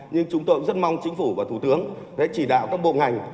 nhưng chúng tôi cũng rất mong chính phủ và thủ tướng đã chỉ đạo các bộ ngành